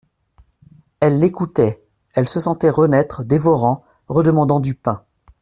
Elle l'écoutait, elle se sentait renaître, dévorant, redemandant du pain.